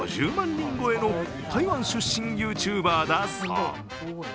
人超えの台湾出身ＹｏｕＴｕｂｅｒだそう。